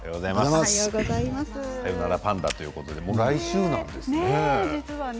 さよならパンダということでもう来週なんですね。